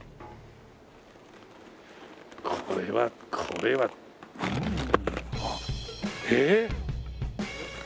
これはこれは。ええ！？